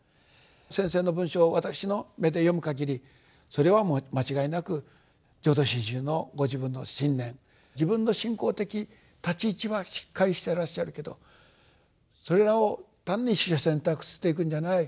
先生の文章を私の目で読むかぎりそれはもう間違いなく浄土真宗のご自分の信念自分の信仰的立ち位置はしっかりしてらっしゃるけどそれらを単に取捨選択していくんじゃない。